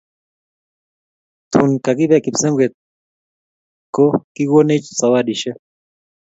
tun lakibe kipsengwet ko kigonech sawadishek